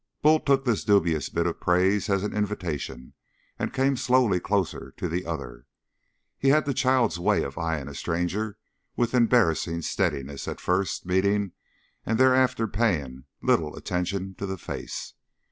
Bull took this dubious bit of praise as an invitation and came slowly closer to the other. He had the child's way of eyeing a stranger with embarrassing steadiness at a first meeting and thereafter paying little attention to the face.